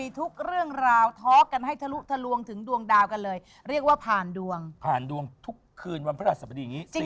ทุกคืนวันพระราชสวดีอย่างนี้